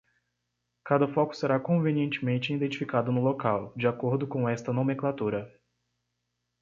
Cada foco será convenientemente identificado no local, de acordo com esta nomenclatura.